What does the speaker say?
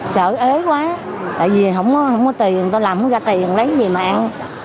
sở ế quá tại vì không có tiền người ta làm không có ra tiền lấy gì mà ăn